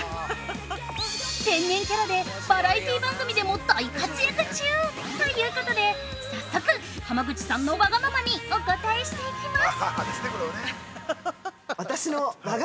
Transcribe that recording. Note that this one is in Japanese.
天然キャラでバラエティー番組でも大活躍中！ということで、早速、浜口さんのわがままにお応えしていきます。